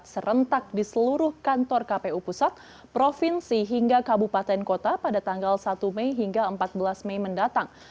serentak di seluruh kantor kpu pusat provinsi hingga kabupaten kota pada tanggal satu mei hingga empat belas mei mendatang